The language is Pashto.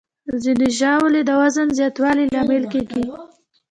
ځینې ژاولې د وزن زیاتوالي لامل کېږي.